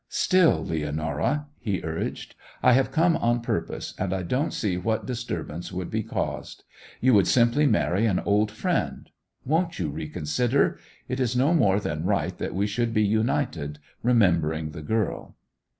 'Still, Leonora,' he urged, 'I have come on purpose; and I don't see what disturbance would be caused. You would simply marry an old friend. Won't you reconsider? It is no more than right that we should be united, remembering the girl.